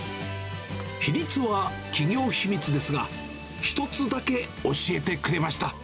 比率は企業秘密ですが、一つだけ教えてくれました。